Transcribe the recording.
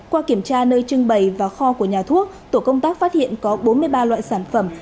qua kiểm tra nơi trưng bày và kho của nhà thuốc tổ công tác phát hiện có bốn mươi ba loại sản phẩm